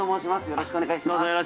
よろしくお願いします。